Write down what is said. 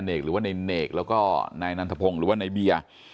หรือว่าในเนกแล้วก็นายนันทพงศ์หรือว่าในเบียร์